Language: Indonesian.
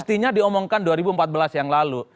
mestinya diomongkan dua ribu empat belas yang lalu